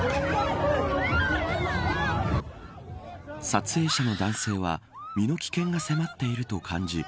撮影者の男性は身の危険が迫っていると感じ